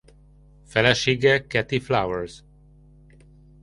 Felesége Katy Flowers.